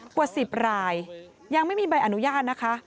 กว่า๑๐รายยังไม่มีใบอนุญาตนะคะ